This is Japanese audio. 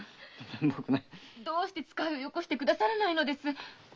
どうして遣いをよこしてくださらないのです？